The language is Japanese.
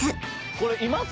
これいます？